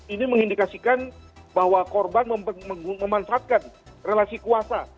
ini mengindikasikan bahwa korban memanfaatkan relasi kuasa